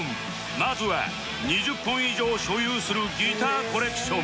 まずは２０本以上所有するギターコレクション